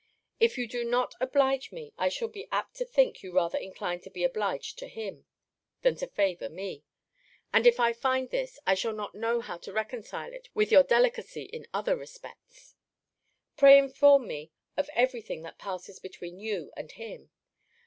If you do not oblige me, I shall be apt to think you rather incline to be obliged to him, than to favour me. And if I find this, I shall not know how to reconcile it with your delicacy in other respects. Pray inform me of every thing that passes between you and him.